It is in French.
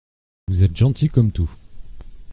Vous êtes gentil comme tout.